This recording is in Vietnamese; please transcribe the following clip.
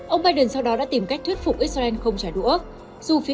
ông biden sau đó đã tìm cách thuyết phục israel không trả đũa